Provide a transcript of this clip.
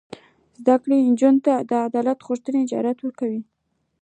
زده کړه نجونو ته د عدالت غوښتنې جرات ورکوي.